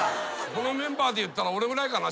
このメンバーで言ったら俺ぐらいかな？